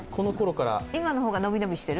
今の方が伸び伸びしてる？